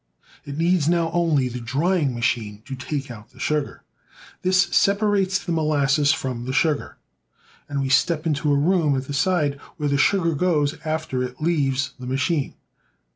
It needs now only the drying machine to take out the sugar; this separates the molasses from the sugar; and we step into a room at the side, where the sugar goes after it leaves the machine.